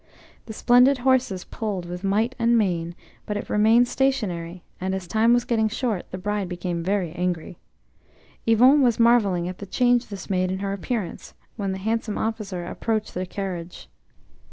The splendid horses pulled with might and main, but it remained stationary, and as time was getting short, the bride became very angry. Yvon was marvelling at the change this made in her appearance when the handsome officer approached the carriage.